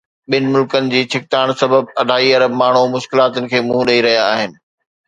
ٻن ملڪن جي ڇڪتاڻ سبب اڍائي ارب ماڻهو مشڪلاتن کي منهن ڏئي رهيا آهن